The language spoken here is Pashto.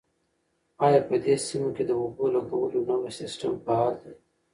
آیا په دې سیمه کې د اوبو لګولو نوی سیستم فعال دی؟